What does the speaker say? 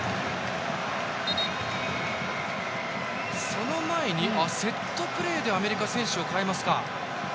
その前に、セットプレーでアメリカ、選手を代えますか。